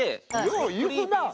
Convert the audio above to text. よう言うなあ。